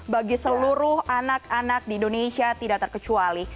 bagi seluruh anak anak di indonesia tidak terkecuali